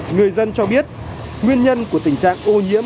người dân cho biết nguyên nhân của tình trạng ô nhiễm